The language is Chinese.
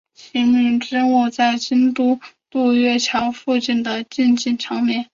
晴明之墓在京都的渡月桥的附近静静长眠。